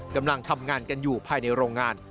กำลังทำงานกันอยู่ภายในโรงงาน